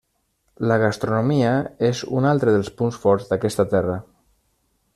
La gastronomia és un altre dels punts forts d'aquesta terra.